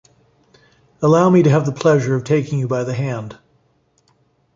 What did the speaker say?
Allow me to have the pleasure of taking you by the hand.